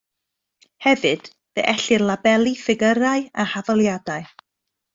Hefyd fe ellir labelu ffigyrau a hafaliadau